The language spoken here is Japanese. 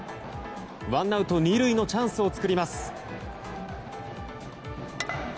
ワンアウト２塁のチャンスを作ります。